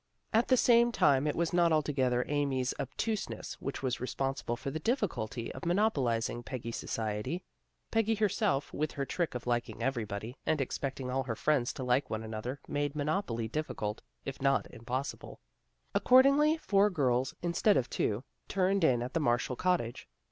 At the same time it was not altogether Amy's obtuseness which was responsible for the difficulty of monopo lizing Peggy's society. Peggy herself, with her trick of liking everybody, and expecting all her friends to like one another, made monopoly difficult, if not impossible. 86 ELAINE HAS VISITORS 87 Accordingly four girls, instead of two, turned in at the Marshall cottage.